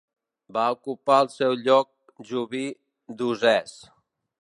Va ocupar el seu lloc Joví d'Usès.